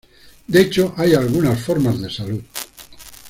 De hecho, hay algunas formas de salud.